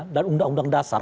dan undang undang dasar